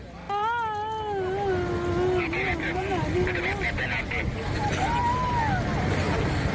ตอนเช้าหนูมาเดินกับเขาเลย